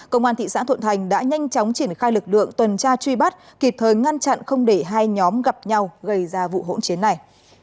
công an thị xã thuận thành đã nhanh chóng triển khai lực lượng tuần tra truy bắt kịp thời ngăn chặn không để hai nhóm gặp nhau gây ra vụ hỗn chiến này